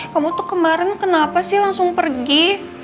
kamu tuh kemarin kenapa sih langsung pergi